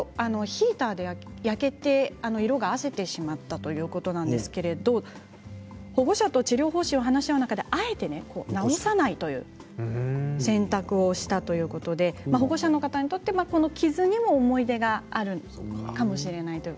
ヒーターで焼けて色があせてしまったということなんですが、保護者と治療方針を話し合う中で、あえて直さないという選択をしたということで保護者の方にとってこの傷にも思い出があるかもしれない。